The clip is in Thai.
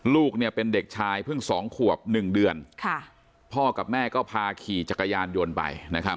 ลูกเนี่ยเป็นเด็กชายเพิ่ง๒ขวบ๑เดือนพ่อกับแม่ก็พาขี่จักรยานยนต์ไปนะครับ